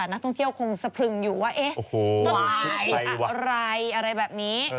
นักท่องเที่ยวคงสะพรึงอยู่ว่าต้นไม้อะไรอะไรแบบนี้